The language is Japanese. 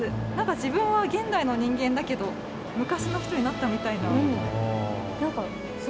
自分は現代の人間だけど昔の人になったような。